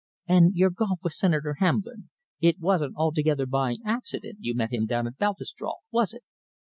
"And your golf with Senator Hamblin? It wasn't altogether by accident you met him down at Baltusrol, was it?"